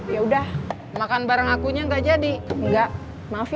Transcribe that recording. yaudah makan bareng akunya nggak jadi enggak maaf ya